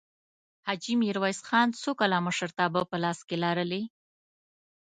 حاجي میرویس خان څو کاله مشرتابه په لاس کې لرلې؟